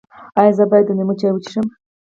ایا زه باید د لیمو چای وڅښم؟